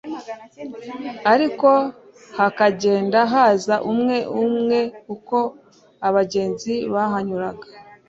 ariko hakagenda haza umwe umwe uko abagenzi bahanyuraga